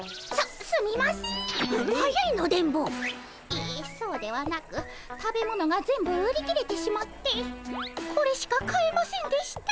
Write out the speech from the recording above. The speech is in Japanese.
ええそうではなく食べ物が全部売り切れてしまってこれしか買えませんでした。